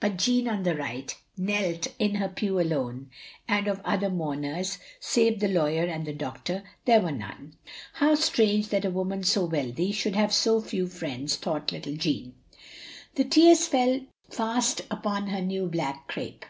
But Jeanne, on the right, knelt in her pew alone, and of other mourners, save the lawyer and the doctor, there were none. How strange that a woman so wealthy should have so few friends, thought little Jeanne. 56 THE LONELY LADY 57 The tears fell fast upon her new black crape.